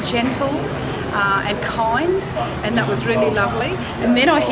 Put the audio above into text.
dan kemudian saya mendengar musik yang luar biasa seperti ini